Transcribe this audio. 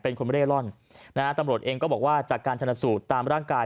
เป็นคนเร่ร่อนนะฮะตำรวจเองก็บอกว่าจากการชนสูตรตามร่างกาย